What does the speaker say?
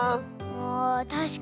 あたしかに。